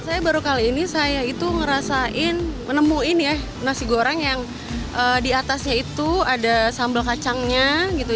saya baru kali ini saya itu ngerasain menemuin ya nasi goreng yang diatasnya itu ada sambal kacangnya gitu